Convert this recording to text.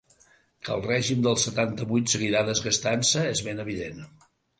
Que el regim del setanta-vuit seguirà desgastant-se és ben evident.